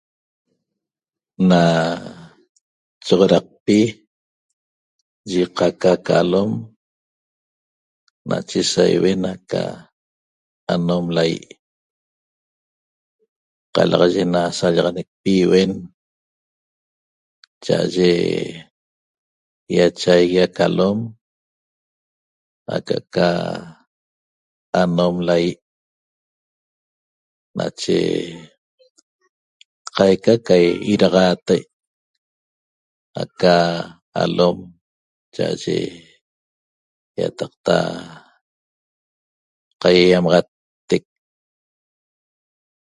Na choxoraqpi ye qaca ca lom nache saiuen aca alom lai qalaxaye na sallaxanecpi iuen cha'aye iachaigui aca alom aca'aca anom lai nache qaica ca iraxatae' aca alom cha'aye iataqta qaiaiamaxattec